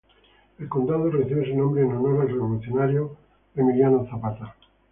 El condado recibe su nombre en honor al revolucionario John Newton.